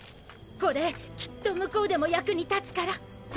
これきっと向こうでも役に立つから。